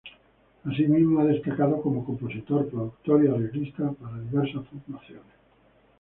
Asimismo ha destacado como compositor, productor y arreglista para diversas formaciones.